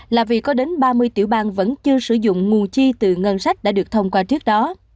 là vì có đến ba mươi tiểu bang vẫn chưa sử dụng nguồn chi từ ngân sách đã được thông qua trước đó